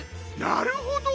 なるほど。